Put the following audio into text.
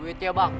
duit ya bang